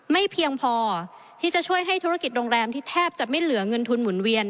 เพียงพอที่จะช่วยให้ธุรกิจโรงแรมที่แทบจะไม่เหลือเงินทุนหมุนเวียน